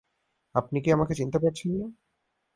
আপনি কি আমাকে চিনতে পারছেন না?